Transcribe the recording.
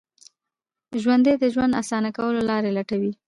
ژوندي د ژوند اسانه کولو لارې لټوي